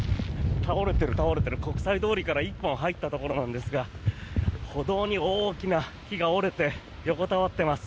国際通りから一本入ったところなんですが歩道に大きな木が折れて横たわっています。